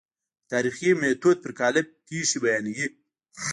د تاریخي میتود پر قالب پېښې بیانوي.